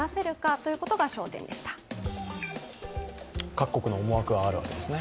各国の思惑があるわけですね。